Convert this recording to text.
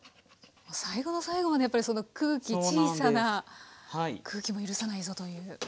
最後の最後までやっぱり空気小さな空気も許さないぞという。